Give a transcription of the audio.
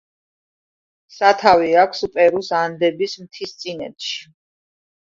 სათავე აქვს პერუს ანდების მთისწინეთში.